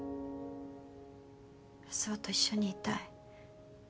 安生と一緒にいたい。